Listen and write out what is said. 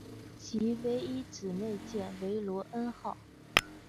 其唯一的姊妹舰为罗恩号。